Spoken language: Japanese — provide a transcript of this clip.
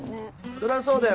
そりゃそうだよ